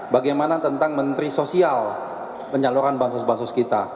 bagaimana tentang menteri sosial menyalurkan bansos bansos kita